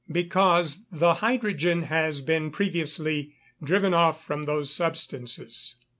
_ Because the hydrogen has been previously driven off from those substances.